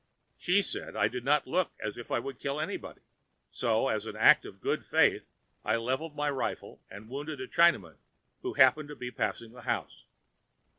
She said I did not look as if I would kill anybody, so, as a proof of good faith I leveled my rifle and wounded a Chinaman who happened to be passing the house.